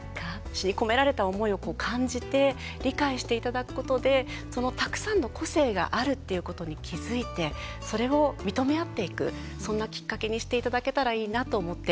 詩に込められた思いを感じて理解していただくことでそのたくさんの個性があるっていうことに気付いてそれを認め合っていく、そんなきっかけにしていただけたらいいなと思って